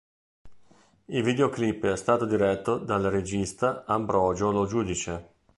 Il videoclip è stato diretto dal regista Ambrogio Lo Giudice.